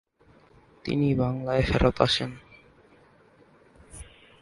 তিনি বাংলায় ফেরৎ আসেন।